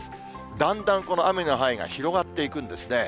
だんだんこの雨の範囲が広がっていくんですね。